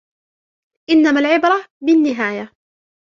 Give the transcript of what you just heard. إنما العبرة بالنهاية.